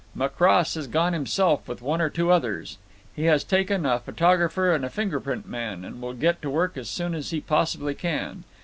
"Macross has gone himself with one or two others. He has taken a photographer and a finger print man, and will get to work as soon as he possibly can.